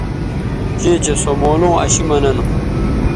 چیئں چہء سو مولوں اشی مہ ننوں